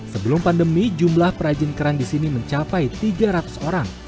sebelum pandemi jumlah perajin keran di sini mencapai tiga ratus orang